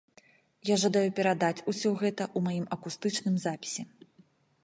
Я жадаю перадаць усё гэта ў маім акустычным запісе.